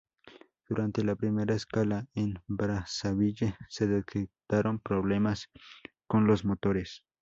Durante la primera escala en Brazzaville se detectaron problemas con los motores.